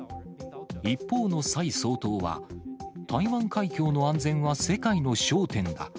一方の蔡総統は、台湾海峡の安全は世界の焦点だ。